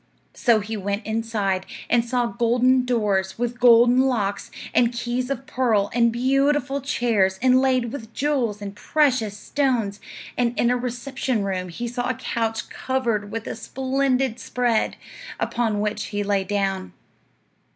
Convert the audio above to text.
So he went inside, and saw golden doors, with golden locks, and keys of pearl, and beautiful chairs inlaid with jewels and precious stones, and in a reception room he saw a couch covered with a splendid spread, upon which he lay down.